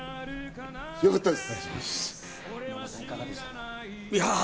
よかったです。